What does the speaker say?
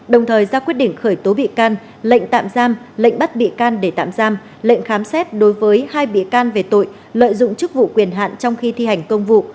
đồng thời ra quyết định khởi tố bị can lệnh tạm giam lệnh bắt bị can để tạm giam lệnh khám xét đối với hai bị can về tội lợi dụng chức vụ quyền hạn trong khi thi hành công vụ